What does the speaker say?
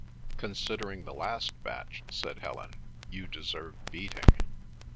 "Considering the last batch," said Helen, "you deserve beating.